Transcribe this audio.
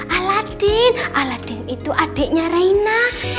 aladin itu adiknya reina